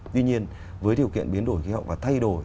tuy nhiên với điều kiện biến đổi khí hậu và thay đổi